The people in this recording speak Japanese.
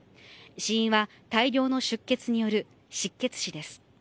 死因は大量の出血による失血死です。